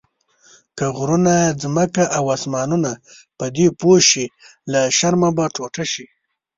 که غرونه، ځمکه او اسمانونه پدې پوه شي له شرمه به ټوټه شي.